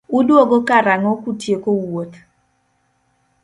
Uduogo karang'o kutieko wuoth?